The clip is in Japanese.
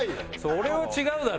それは違うだろ。